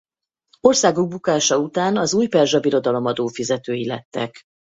Országuk bukása után az Újperzsa Birodalom adófizetői lettek.